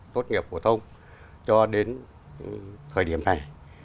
tốt nghiệp của thông cho đến thời điểm này